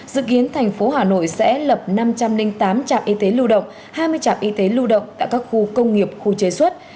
dự kiến thành phố hà nội sẽ lập năm trăm linh tám trạm y tế lưu động hai mươi trạm y tế lưu động tại các khu công nghiệp khu chế xuất